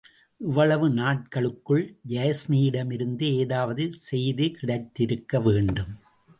இவ்வளவு நாட்களுக்குள் யாஸ்மியிடமிருந்து ஏதாவது செய்தி கிடைத்திருக்க வேண்டும்.